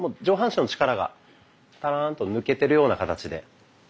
上半身の力がたらんと抜けてるような形で。